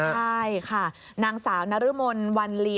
ใช่ค่ะนางสาวนรมนวันลี